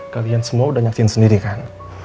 kalian semua udah nyaksin sendiri kan